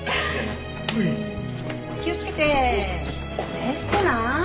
レストラン？